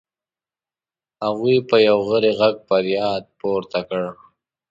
هغې په یو غری غږ فریاد پورته کړ.